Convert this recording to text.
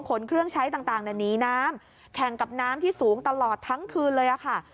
ขนเครื่องใช้ต่างหนีน้ำแข่งกับน้ำที่สูงตลอดทั้งคืนเลยค่ะ